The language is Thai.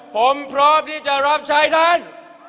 ผมพร้อมที่จะรับใช้ท่าน